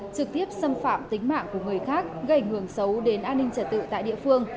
trực tiếp xâm phạm tính mạng của người khác gây ảnh hưởng xấu đến an ninh trả tự tại địa phương